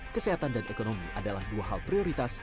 kesehatan dan ekonomi adalah dua hal prioritas